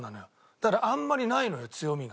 だからあんまりないのよ強みが。